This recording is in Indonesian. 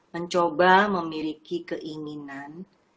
mencoba memiliki keinginan